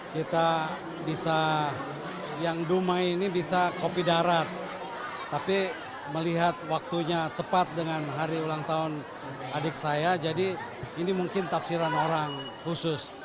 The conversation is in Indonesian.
kita bisa yang dumai ini bisa kopi darat tapi melihat waktunya tepat dengan hari ulang tahun adik saya jadi ini mungkin tafsiran orang khusus